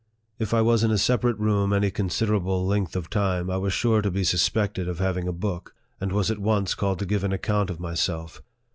If 1 was in a separate room any considerable length of time, I was sure to be suspected of having a book, and was at once called to give an account of myself.